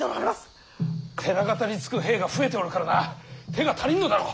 寺方につく兵が増えておるからな手が足りんのだろう。